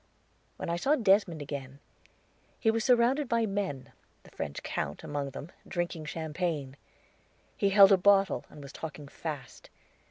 When I saw Desmond again, he was surrounded by men, the French Count among them, drinking champagne. He held a bottle, and was talking fast.